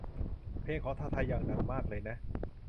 เพลงของทาทา ยัง ดังมากเลยนะ